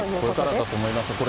これからだと思います。